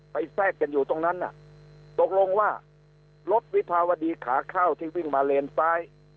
แทรกกันอยู่ตรงนั้นน่ะตกลงว่ารถวิภาวดีขาเข้าที่วิ่งมาเลนซ้าย